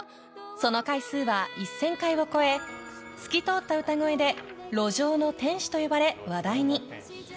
その回数は１０００回を超え透き通った歌声で路上の天使と呼ばれ話題に。